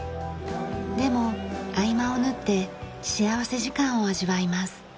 でも合間を縫って幸福時間を味わいます。